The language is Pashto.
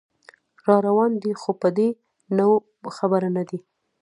راروان دی خو په دې نو خبر نه دی